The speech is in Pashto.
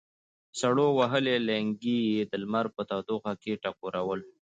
سړو وهلي لېنګي یې د لمر په تودوخه کې ټکورول.